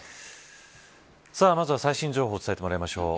まずは最新情報をお伝えしてもらいましょう。